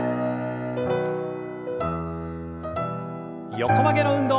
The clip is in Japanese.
横曲げの運動。